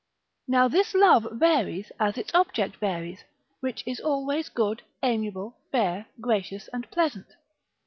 Now this love varies as its object varies, which is always good, amiable, fair, gracious, and pleasant.